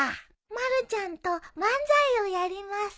まるちゃんと漫才をやります。